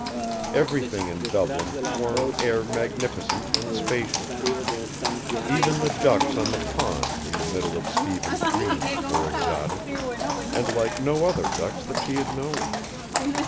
Everything in Dublin wore an air magnificent and spacious. Even the ducks on the pond in the middle of Stephen's Green were exotic, and like no other ducks that she had known.